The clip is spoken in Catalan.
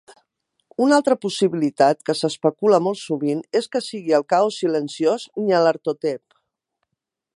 Una altra possibilitat que s"especula molt sovint és que sigui el Caos silenciós, Nyarlathotep.